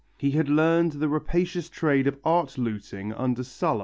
He had learned the rapacious trade of art looting under Sulla.